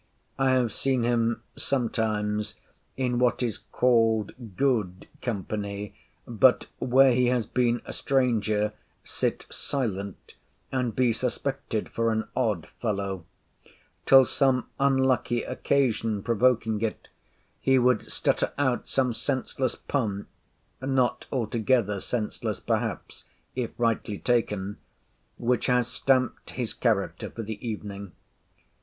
I have seen him sometimes in what is called good company, but where he has been a stranger, sit silent, and be suspected for an odd fellow; till some unlucky occasion provoking it, he would stutter out some senseless pun (not altogether senseless perhaps, if rightly taken), which has stamped his character for the evening.